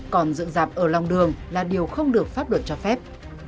còn dựng dạp ở lòng đường là điều không được pháp luật cho phép